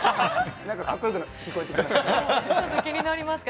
かっこよく聞こえてきました。